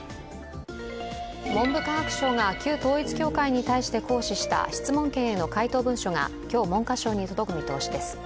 文部科学省が旧統一教会に対して行使した質問権への回答文書が今日、文科省に届く見通しです。